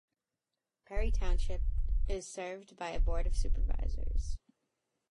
Perry Township is served by a Board of Supervisors.